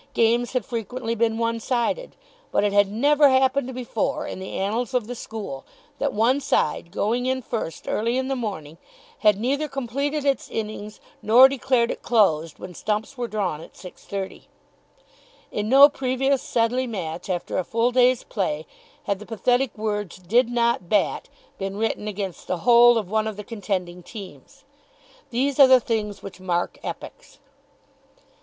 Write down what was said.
Games had frequently been one sided. But it had never happened before in the annals of the school that one side, going in first early in the morning, had neither completed its innings nor declared it closed when stumps were drawn at 6.30. In no previous Sedleigh match, after a full day's play, had the pathetic words "Did not bat" been written against the whole of one of the contending teams. These are the things which mark epochs.